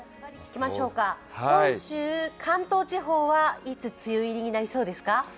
本州、関東地方はいつ梅雨入りになりそうですか？